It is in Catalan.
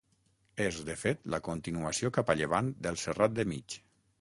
És, de fet, la continuació cap a llevant del Serrat de Mig.